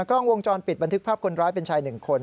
กล้องวงจรปิดบันทึกภาพคนร้ายเป็นชาย๑คน